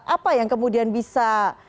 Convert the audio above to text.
apa yang kemudian bisa